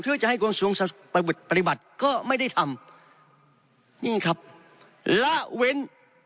เพื่อจะให้กระทรวงปฏิบัติก็ไม่ได้ทำนี่ครับละเว้น